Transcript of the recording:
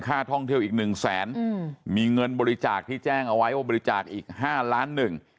ท่องเที่ยวอีกหนึ่งแสนอืมมีเงินบริจาคที่แจ้งเอาไว้ว่าบริจาคอีกห้าล้านหนึ่ง